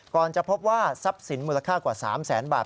จะพบว่าทรัพย์สินมูลค่ากว่า๓แสนบาท